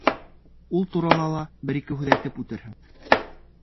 — Ул турала ла бер-ике һүҙ әйтеп үтерһең.